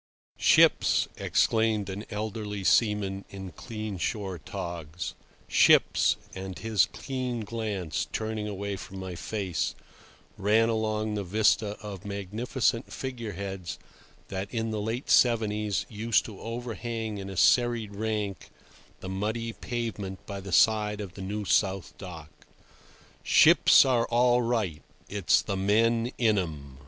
"Ships!" exclaimed an elderly seaman in clean shore togs. "Ships"—and his keen glance, turning away from my face, ran along the vista of magnificent figure heads that in the late seventies used to overhang in a serried rank the muddy pavement by the side of the New South Dock—"ships are all right; it's the men in 'em.